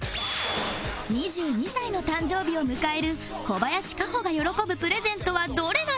２２歳の誕生日を迎える小林歌穂が喜ぶプレゼントはどれなのか？